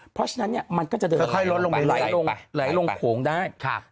เพราะฉะนั้นมันก็จะเดินไหลลงโขงได้